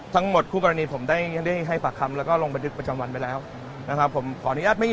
ทั้งหมดผู้กรณีผมอย่างนี้ให้ฝากคำและก็ลงไปดึกประจำวันไปแล้วนะครับผมขออนุญาตไม่